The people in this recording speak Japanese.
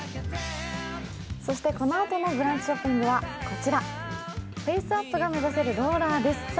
そして、このあとの「ブランチショッピング」はこちら、フェイスアップが目指せるローラーです。